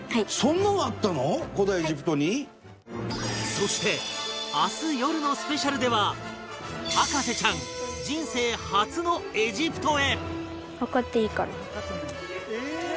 そして明日よるのスペシャルでは博士ちゃん人生初のエジプトへ